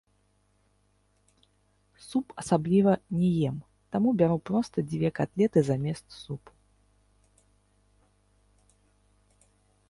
Суп асабліва не ем, таму бяру проста дзве катлеты замест супу.